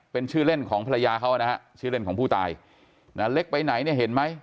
เป็นชื่อเล่นของภรรยาเขานะฮะชื่อเล่นของผู้ตายนะเล็กไปไหนเนี่ยเห็นไหม